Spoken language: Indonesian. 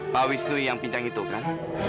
pak wisnu yang pincang itu kan